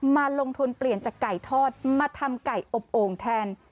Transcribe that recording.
มาลงทุนเปลี่ยนจากไก่ทอดมาทำไก่อบโอ่งแทน